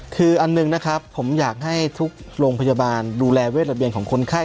คืออันหนึ่งนะครับผมอยากให้ทุกโรงพยาบาลดูแลเวทระเบียงของคนไข้